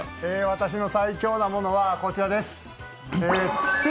私の最強なものはこちらです。